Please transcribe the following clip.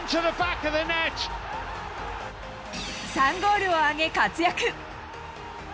３ゴールを挙げ活躍。